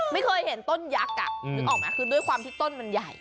ไม่เคยเห็นต้นยักษ์นึกออกไหมคือด้วยความที่ต้นมันใหญ่